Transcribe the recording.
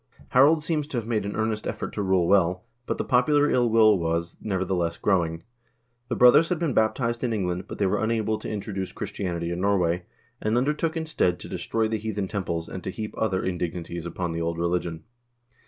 1 Harald seems to have made an earnest effort to rule well, but the popular ill will was, nevertheless, growing. The brothers had been baptized in England, but they were unable to introduce Christianity in Norway, and undertook, instead, to destroy the heathen temples, and to heap other indignities upon the old religion.